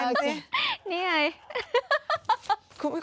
นี่ไง